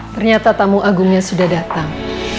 ternyata tamu agungnya sudah datang